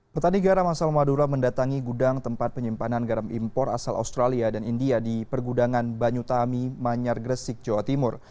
petani garam asal madura mendatangi gudang tempat penyimpanan garam impor asal australia dan india di pergudangan banyutami manyar gresik jawa timur